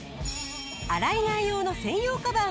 洗い替え用の専用カバーもご用意。